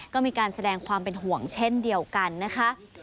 ก็มีการแสดงความเป็นห่วงเช่นเดียวกันนะคะ